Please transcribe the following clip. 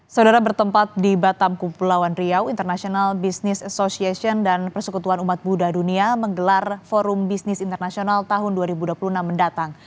saudara bertempat di batam kepulauan riau international business association dan persekutuan umat buddha dunia menggelar forum bisnis internasional tahun dua ribu dua puluh enam mendatang